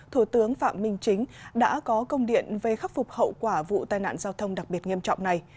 thủ tướng phạm minh chính đã có công điện về khắc phục hậu quả vụ tai nạn giao thông đặc biệt nghiêm trọng này